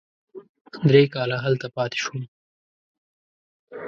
درې کاله هلته پاتې شوم.